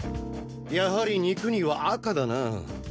やはり肉には赤だな。